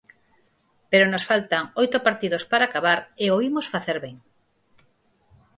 Pero nos faltan oito partidos para acabar e o imos facer ben.